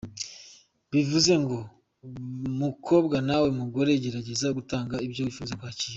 Bivuze ngo mukobwa nawe mugore, gerageza gutanga ibyo wifuza kwakira.